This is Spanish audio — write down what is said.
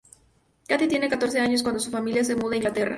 Katie tiene catorce años cuando su familia se muda a Inglaterra.